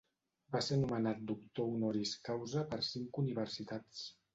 Va ser nomenat doctor honoris causa per cinc universitats.